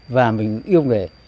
và mình yêu nghề